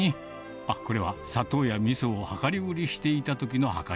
あっ、これは砂糖やみそを量り売りしていたときのはかり。